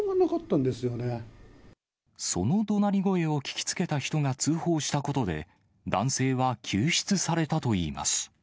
そのどなり声を聞きつけた人が通報したことで、男性は救出されたといいます。